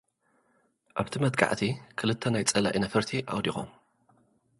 ኣብቲ መጥቃዕቲ ኽልተ ናይ ጸላኢ ነፈርቲ ኣውዲቖም።